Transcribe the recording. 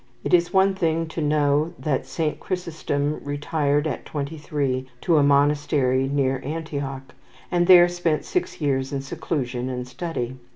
It is one thing to know that Saint Chrysostom retired at twenty three to a monastery near Antioch, and there spent six years in seclusion and study.